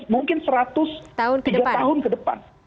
mungkin seratus tahun ke depan